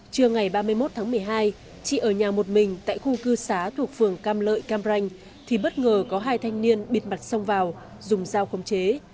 trưa ngày ba mươi một tháng một mươi hai chị ở nhà một mình tại khu cư cư xá thuộc phường cam lợi cam ranh thì bất ngờ có hai thanh niên bịt mặt sông vào dùng dao khống chế